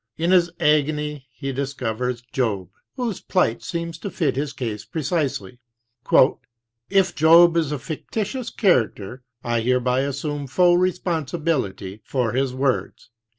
In his agony he discovers Job, whose plight seems to fit his case precisely — "if Job is a fictitious character, I hereby assume full responsibility for his words."